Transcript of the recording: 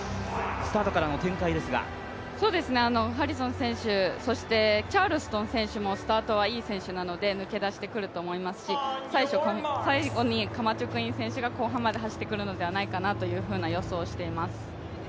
ハリソン選手、そしてチャールトン選手もスタートはいい選手なので、スタート抜け出してくると思いますし最後にカマチョクイン選手が後半まで走ってくるのではないかと予想をしています。